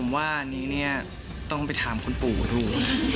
ผมว่าอันนี้เนี่ยต้องไปถามคุณปู่ดู